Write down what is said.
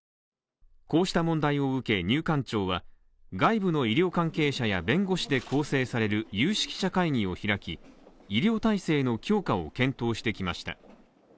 こうした問題を受け、入管庁は外部の医療関係者や弁護士で構成される有識者会議を開き医療体制の強化を検討してきました。